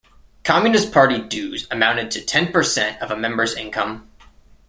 Communist Party dues amounted to ten percent of a member's income.